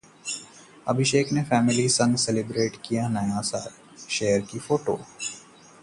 अभिषेक ने फैमिली संग सेलिब्रेट किया नया साल, शेयर की फोटो